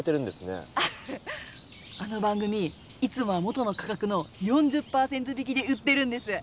いつもは元の価格の４０％引きで売ってるんです。